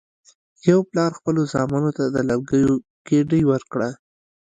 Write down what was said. یو پلار خپلو زامنو ته د لرګیو ګېډۍ ورکړه.